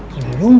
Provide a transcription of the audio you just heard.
lo gak tau